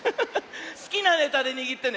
すきなネタでにぎってね。